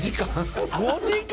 「５時間！？」